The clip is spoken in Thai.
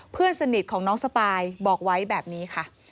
เพื่อนสนิทของน้องสปายบอกไว้แบบนี้ค่ะ